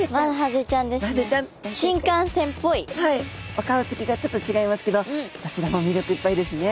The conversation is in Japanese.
お顔つきがちょっと違いますけどどちらも魅力いっぱいですね。